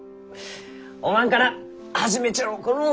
おまんから始めちゃろうかのう。